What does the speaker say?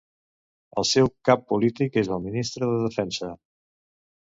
El seu cap polític és el Ministre de Defensa.